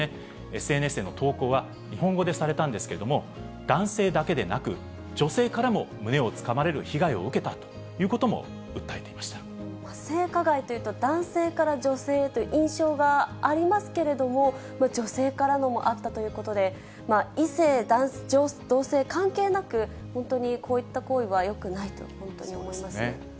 ＳＮＳへの投稿は日本語でされたんですけれども、男性だけでなく、女性からも胸をつかまれる被害を受けたということも訴えていまし性加害というと、男性から女性へという印象がありますけれども、女性からのもあったということで、異性、同性関係なく、本当にこういった行為はよくないと、本当に思いまそうですね。